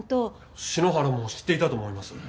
篠原も知っていたと思いますよ。